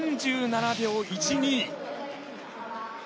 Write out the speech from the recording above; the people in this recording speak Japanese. ３７秒１２。